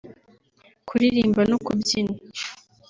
kuririmba no kubyina